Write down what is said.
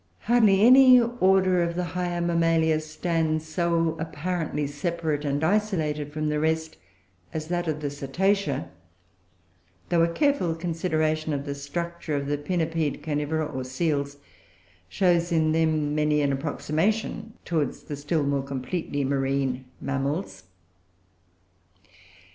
Hardly any order of the higher Mammalia stands so apparently separate and isolated from the rest as that of the Cetacea; though a careful consideration of the structure of the pinnipede Carnivora, or Seals, shows, in them, many an approximation towards the still more completely marine mammals.